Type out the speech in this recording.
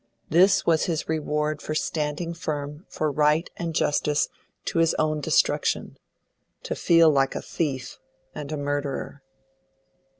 This was his reward for standing firm for right and justice to his own destruction: to feel like a thief and a murderer.